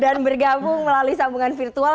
dan bergabung melalui sambungan virtual